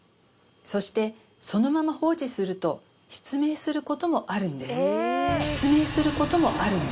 そしてそのまま失明することもあるんです